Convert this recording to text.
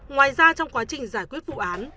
ngoài ra trong quá trình giải quyết vụ án